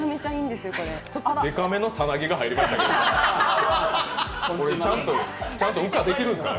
でかめのさなぎが入りました。